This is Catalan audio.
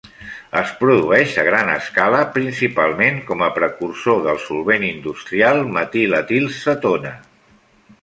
Es produeix a gran escala principalment com a precursor del solvent industrial metil etil cetona.